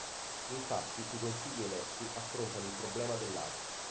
Infatti i consigli eletti affrontano il problema dell'art.